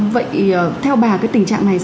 vậy theo bà cái tình trạng này